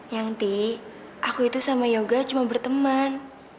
yanti aku itu sama yoga cuma berteman